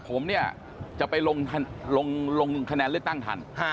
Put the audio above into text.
ผมเนี่ยจะไปลงคะแนนเลือกตั้งทัน